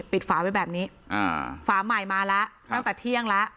ฝาไว้แบบนี้อ่าฝาใหม่มาแล้วตั้งแต่เที่ยงแล้ว